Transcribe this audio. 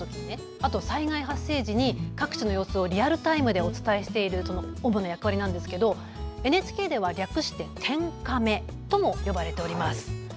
あと災害発生時に各地の様子をリアルタイムでお伝えするのが主な役割なんですけどＮＨＫでは略して天カメとも呼ばれております。